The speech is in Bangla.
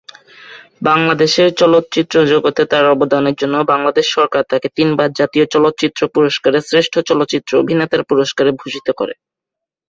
বাংলাদেশের চলচ্চিত্র জগতে তার অবদানের জন্য বাংলাদেশ সরকার তাকে তিনবার জাতীয় চলচ্চিত্র পুরস্কারের শ্রেষ্ঠ চলচ্চিত্র অভিনেতার পুরস্কারে ভূষিত করে।